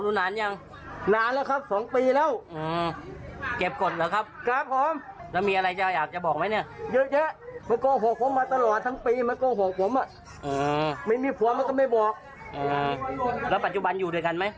๖เดือนนี่ที่แยกกันไปเพราะอะไร